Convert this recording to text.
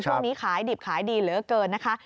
ช่วงนี้ขายดิบขายดีเหลือเกินนะคะ